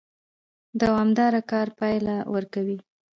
دوامدار کار پایله ورکوي